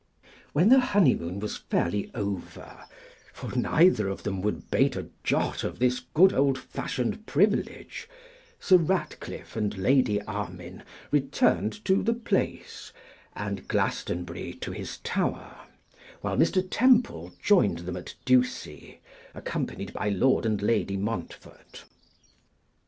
When the honeymoon was fairly over, for neither of them would bate a jot of this good old fashioned privilege, Sir Ratcliffe and Lady Armine returned to the Place, and Glastonbury to his tower; while Mr. Temple joined them at Ducie, accompanied by Lord and Lady Montfort.